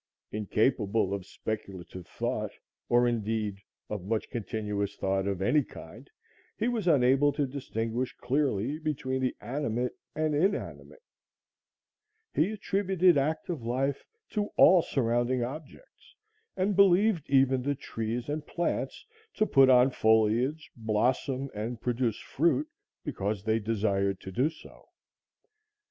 Incapable of speculative thought, or, indeed, of much continuous thought of any kind, he was unable to distinguish clearly between the animate and inanimate; he attributed active life to all surrounding objects and believed even the trees and plants to put on foliage, blossom and produce fruit because they desired to do so.